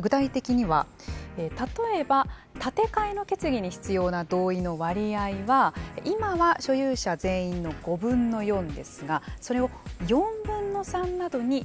具体的には例えば建て替えの決議に必要な同意の割合は今は所有者全員の５分の４ですがそれを４分の３などに引き下げる。